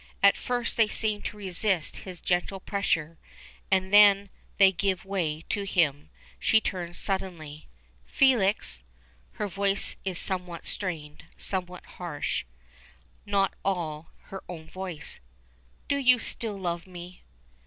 At first they seem to resist his gentle pressure, and then they give way to him. She turns suddenly. "Felix," her voice is somewhat strained, somewhat harsh, not at all her own voice, "do you still love me?"